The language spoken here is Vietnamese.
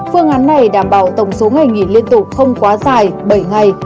phương án này đảm bảo tổng số ngày nghỉ liên tục không quá dài bảy ngày